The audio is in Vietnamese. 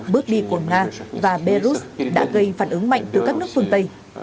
bước đi của nga và belarus đã gây phản ứng mạnh từ các nước phương tây